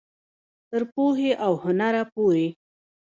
تر پوهې او هنره پورې.